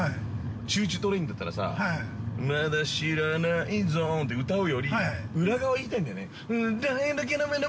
チューチュートレインだったらさ、まだ知らないぞって歌うより裏側言いたいんだよね。